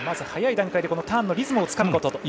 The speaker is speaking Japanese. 早い段階でターンのリズムをつかむこと。